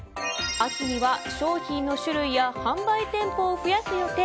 秋には商品の種類や販売店舗を増やす予定。